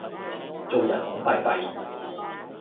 做人懵閉閉